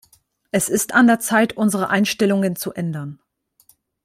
Es ist an der Zeit, unsere Einstellungen zu ändern.